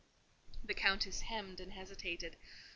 The Countess hemmed and hesitated.